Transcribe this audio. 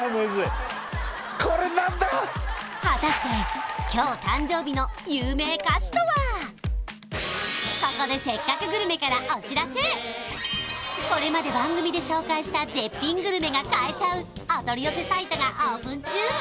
果たしてここで「せっかくグルメ！！」からお知らせこれまで番組で紹介した絶品グルメが買えちゃうお取り寄せサイトがオープン中！